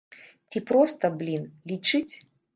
Ці проста, блін, лічыць?